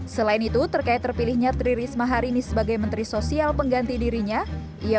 selain itu terkait terpilihnya tririsma harini sebagai menteri sosial pengganti dirinya ia